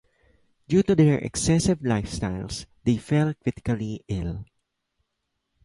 Due to their excessive lifestyles, they fell critically ill.